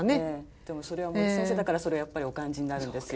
でもそれは森先生だからそれをやっぱりお感じになるんですよ。